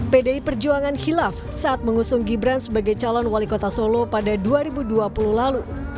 pdi perjuangan hilaf saat mengusung gibran sebagai calon wali kota solo pada dua ribu dua puluh lalu